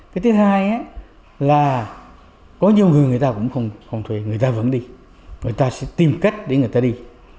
cái thứ hai là có nhiều người người ta cũng không thuê người ta vẫn đi người ta sẽ tìm cách để người ta đi